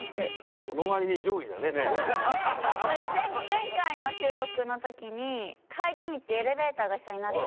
前回の収録の時に帰り道エレベーターが一緒になって。